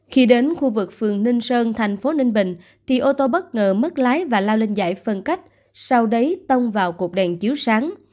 khi đến khu vực phường ninh sơn thành phố ninh bình thì ô tô bất ngờ mất lái và lao lên giải phân cách sau đấy tông vào cột đèn chiếu sáng